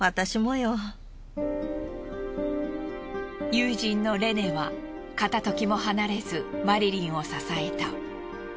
友人のレネは片時も離れずマリリンを支えた。